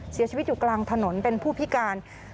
เสียชีวิตอยู่กลางถนนเป็นผู้พิการ